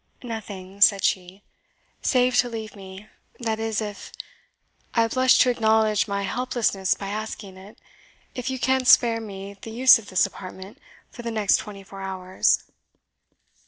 "Nothing," said she, "save to leave me, that is, if I blush to acknowledge my helplessness by asking it if you can spare me the use of this apartment for the next twenty four hours."